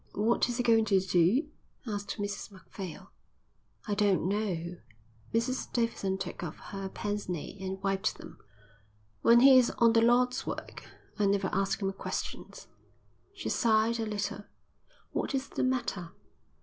"What is he going to do?" asked Mrs Macphail. "I don't know." Mrs Davidson took off her pince nez and wiped them. "When he is on the Lord's work I never ask him questions." She sighed a little. "What is the matter?"